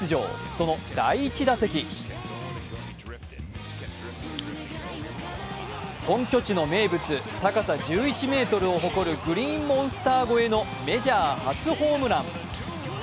その第１打席本拠地の名物、高さ１１ｍを誇るグリーンモンスター越えのメジャー初ホームラン。